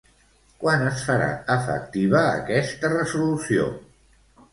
Quan es farà efectiva aquesta resolució?